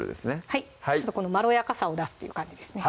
はいちょっとこのまろやかさを出すっていう感じですね